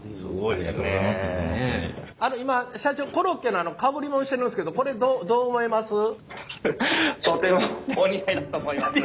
あの今社長コロッケのかぶりもんしてるんすけどこれどうどう思います？